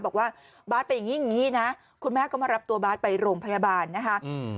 บอกว่าบาทเป็นอย่างงี้อย่างงี้นะคุณแม่ก็มารับตัวบาสไปโรงพยาบาลนะคะอืม